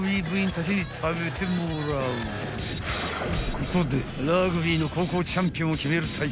［ここでラグビーの高校チャンピオンを決める大会